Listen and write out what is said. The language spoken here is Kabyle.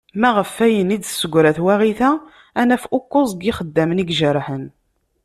Ma ɣef wayen i d-tessegra twaɣit-a, ad naf ukuẓ n yixeddamen i ijerḥen.